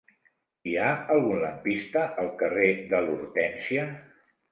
Hi ha algun lampista al carrer de l'Hortènsia?